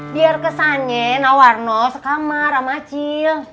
biar kesannya nawarno sekamar sama cil